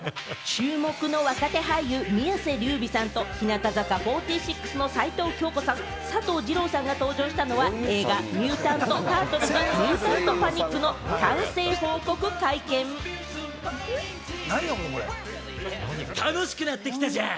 注目の若手俳優・宮世琉弥さんと日向坂４６の齊藤京子さん、佐藤二朗さんが登場したのは映画『ミュータント・タートルズ：ミュータント・パニック！』の楽しくなってきたじゃん！